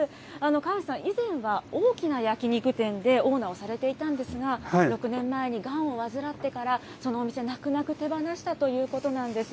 河内さん、以前は大きな焼き肉店でオーナーをされていたんですが、６年前にがんを患ってから、そのお店、泣く泣く手放したということなんです。